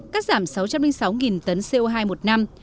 cắt giảm sáu trăm linh sáu tấn co hai một năm